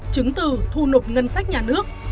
chứng từ thu nộp ngân sách nhà nước